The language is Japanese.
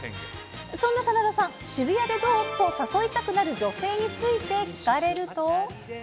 そんな真田さん、渋谷でどう？と誘いたくなる女性について聞かれると。